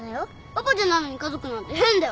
パパじゃないのに家族なんて変だよ。